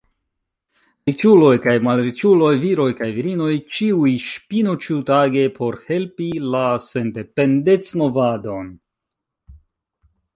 Riĉuloj kaj malriĉuloj, viroj kaj virinoj, ĉiuj ŝpinu ĉiutage por helpi la sendependecmovadon.